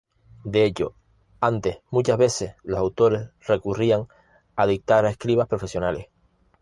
De hecho antes muchas veces los autores recurrían a dictar a escribas profesionales.